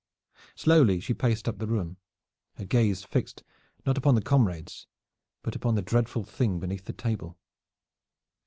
Slowly she paced up the room, her gaze fixed not upon the comrades, but upon the dreadful thing beneath the table.